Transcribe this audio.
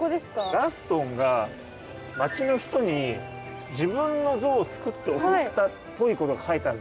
ガストンが町の人に自分の像を作って贈ったっぽいことが書いてある。